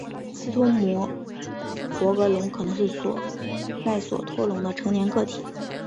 斯托姆博格龙可能是赖索托龙的成年个体。